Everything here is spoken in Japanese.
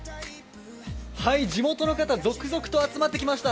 地元の方、続々と集まってきました。